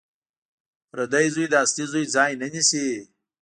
پردی زوی د اصلي زوی ځای نه نیسي